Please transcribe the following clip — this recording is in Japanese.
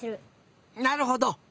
なるほど！